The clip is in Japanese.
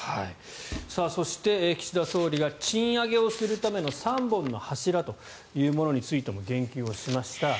そして、岸田総理が賃上げをするための３本の柱というものについても言及をしました。